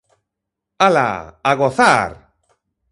Ala, a gozar!